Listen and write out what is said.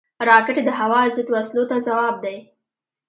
راکټ د هوا ضد وسلو ته ځواب دی